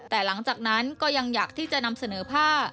แต่หลังจากนั้นก็ยังอยากที่จะนำเสนอผ้า